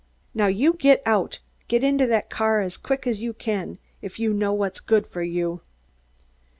Now, you get out! Get into that car as quick as you can, if you know what's good for you!"